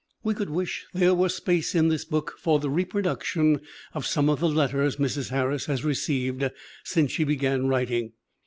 We could wish there were space in this book for the reproduction of some of the letters Mrs. Harris has received since she began writing.